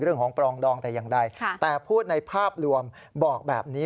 เรื่องของปลองดองแต่ยังได้แต่พูดในภาพรวมบอกแบบนี้